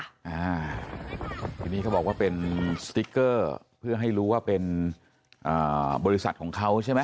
ทีนี้เขาบอกว่าเป็นสติ๊กเกอร์เพื่อให้รู้ว่าเป็นอ่าบริษัทของเขาใช่ไหม